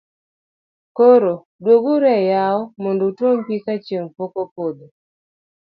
koro dog uru e yawo mondo utuom pi ka chieng' pok opodho